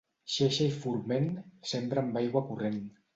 Xeixa i forment, sembra amb aigua corrent.